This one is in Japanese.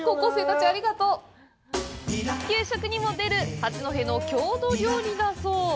給食にも出る八戸の郷土料理だそう！